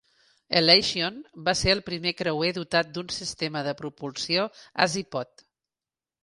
"Elation" va ser el primer creuer dotat d'un sistema de propulsió Azipod.